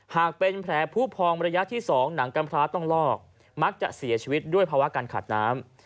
หากเป็นแผลผู้พองระยะที่๒หนังกำพร้าต้องลอกมักจะเสียชีวิตด้วยภาวะการขาดน้ำ